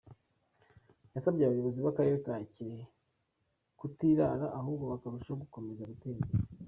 Yasabye abayobozi b’akarere ka Kirehe kutirara ahubwo bakarushaho gukomeza gutera imbere.